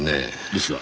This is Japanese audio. ですが